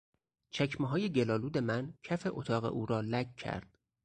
چکمههای گلآلود من کف اتاق او را لک کرد.